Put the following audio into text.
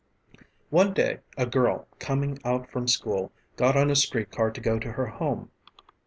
One day a girl, coming out from school, got on a street car to go to her home.